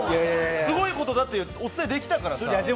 すごいことだってお伝えできたので。